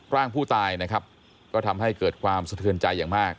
ร่างผู้ตายนะครับก็ทำให้เกิดความสะเทือนใจอย่างมาก